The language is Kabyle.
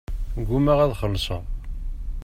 Ggumaɣ ad xellṣeɣ.